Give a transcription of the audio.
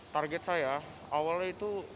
target saya awalnya itu